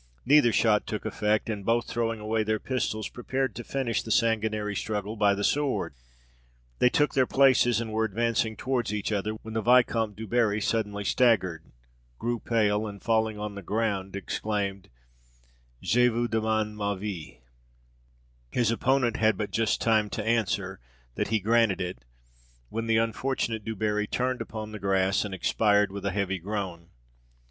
Neither shot took effect, and both throwing away their pistols, prepared to finish the sanguinary struggle by the sword. They took their places, and were advancing towards each other, when the Vicomte du Barri suddenly staggered, grew pale, and, falling on the ground, exclaimed, "Je vous demande ma vie." His opponent had but just time to answer, that he granted it, when the unfortunate Du Barri turned upon the grass, and expired with a heavy groan.